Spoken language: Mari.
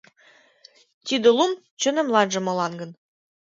Тиде лум чонемланже молан гын